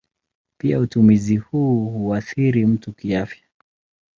Pia utumizi huu huathiri mtu kiafya.